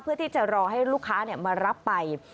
เพื่อที่จะรอให้ลูกค้ามารับไป